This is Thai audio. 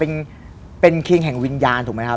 เพราะเรารู้สึกว่าท้าเวสวรเป็นเครียงแห่งวิญญาณถูกไหมครับ